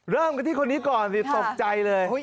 เริ่มกันที่คนนี้ก่อนสิตกใจเลย